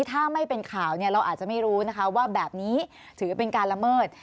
ถ้าไม่เป็นข่าวเราอาจจะไม่รู้นะคะว่าแบบนี้ถือเป็นการละเมิด